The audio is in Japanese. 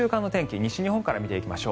西日本から見ていきましょう。